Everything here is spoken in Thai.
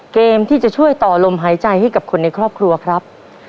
เกมที่จะช่วยต่อลมหายใจให้กับคนในครอบครัวครับ